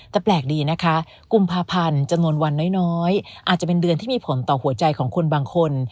แต่แปลกดีนะคะกุมภาพันธ์จำนวนวันน้อยอาจจะเป็นเดือนที่มีผลต่อหัวใจของคนบางคน